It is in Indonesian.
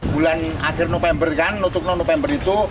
bulan akhir november kan untuk non november itu